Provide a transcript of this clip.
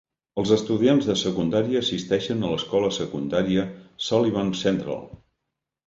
Els estudiants de secundària assisteixen a l'escola secundària Sullivan Central.